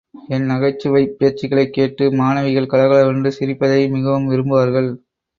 என் நகைச்சுவைப் பேச்சுகளைக் கேட்டு மாணவிகள் கலகலவென்று சிரிப்பதை மிகவும் விரும்புவார்கள்.